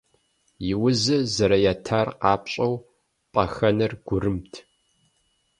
И узыр зэрыятэр къапщӏэу, пӏэхэнэр гурымт.